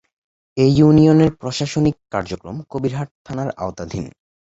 এ ইউনিয়নের প্রশাসনিক কার্যক্রম কবিরহাট থানার আওতাধীন।